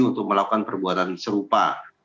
untuk melakukan perbuatan serupa